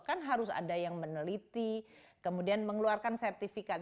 kan harus ada yang meneliti kemudian mengeluarkan sertifikat